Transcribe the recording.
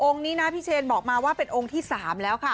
นี้นะพี่เชนบอกมาว่าเป็นองค์ที่๓แล้วค่ะ